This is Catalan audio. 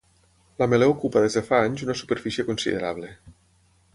L'ametler ocupa des de fa anys una superfície considerable.